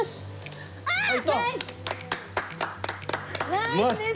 ナイスです！